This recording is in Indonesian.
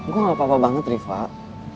gue gak apa apa banget rifa